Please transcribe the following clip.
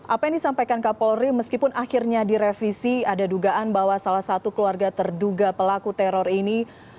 apa yang disampaikan kapolri meskipun akhirnya direvisi ada dugaan bahwa salah satu keluarga terduga pelaku teror ini